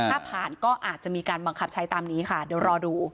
ถ้าผ่านก็อาจจะมีการบังคับใช้ตามนี้ค่ะเดี๋ยวรอดู